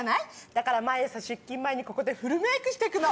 だから毎朝出勤前にここでフルメイクして行くの。